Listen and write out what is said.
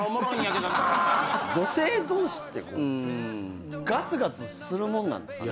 女性同士ってこうガツガツするもんなんですかね？